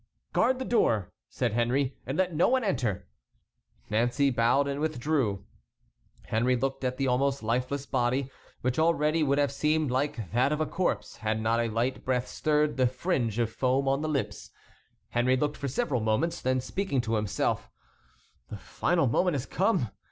"Guard the door," said Henry, "and let no one enter." Nancey bowed and withdrew. Henry looked at the almost lifeless body, which already would have seemed like that of a corpse had not a light breath stirred the fringe of foam on the lips. Henry looked for several moments, then, speaking to himself: "The final moment has come!"